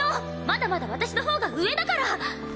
まだまだ私のほうが上だから！